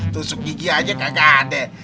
tusuk gigi aja gak ada